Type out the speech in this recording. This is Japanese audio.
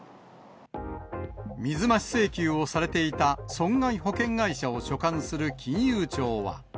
水増し請求をされていた損害保険会社を所管する金融庁は。